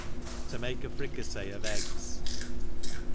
To make a fricajfee of Eggs.